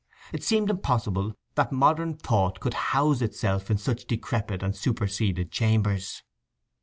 It seemed impossible that modern thought could house itself in such decrepit and superseded chambers.